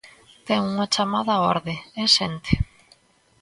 Ten unha chamada á orde, ¡e sente!